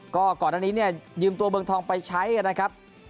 ก็ก่อนอันนี้เนี่ยยืมตัวเมืองทองไปใช้นะครับ